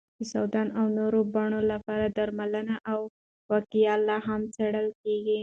د سودان او نورو بڼو لپاره درملنه او وقایه لا هم څېړل کېږي.